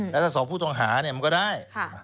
แล้วถ้าสอบผู้ต้องหามันก็ได้